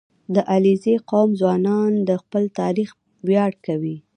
• د علیزي قوم ځوانان د خپل تاریخ ویاړ کوي.